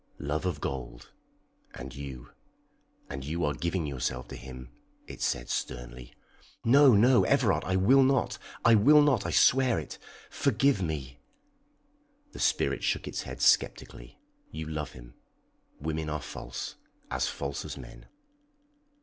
"Love of gold and you. And you are giving yourself to him," it said sternly. "No, no, Everard! I will not! I will not! I swear it! Forgive me!" The spirit shook its head sceptically. "You love him. Women are false as false as men."